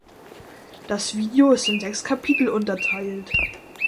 Das Video ist in sechs Kapitel unterteilt.